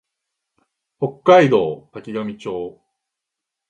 北海道滝上町